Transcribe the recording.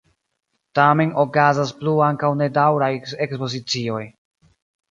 Tamen okazas plu ankaŭ nedaŭraj ekspozicioj.